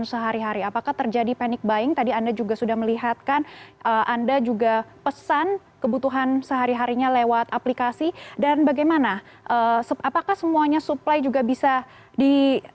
kebutuhan sehari hari apakah terjadi panic buying tadi anda juga sudah melihatkan anda juga pesan kebutuhan sehari harinya lewat aplikasi dan bagaimana sebab apakah semuanya supply juga bisa di